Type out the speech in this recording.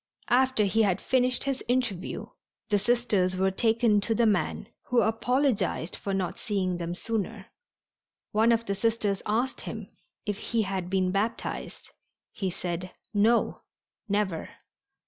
After he had finished his interview the Sisters were taken to the man, who apologized for not seeing them sooner. One of the Sisters asked him if he had been baptized. He said, "No, never."